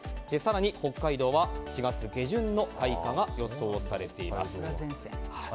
更に北海道は４月下旬の開花が予想されています。